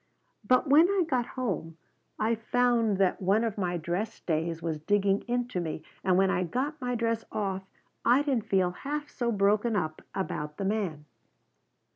but when I got home I found that one of my dress stays was digging into me and when I got my dress off I didn't feel half so broken up about the man."